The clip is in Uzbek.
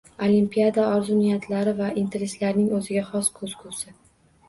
Olimpiada orzu-niyatlari va intilishlarining o‘ziga xos ko‘zgusi.